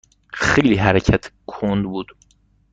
خیلی حرکت کند بود.